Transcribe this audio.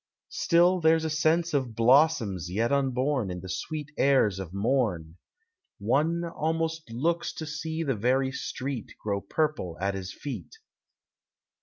Still there 's a sense of blossoms yet unborn In the sweet airs of morn ; One almost looks to see the very street Grow purple at his feet.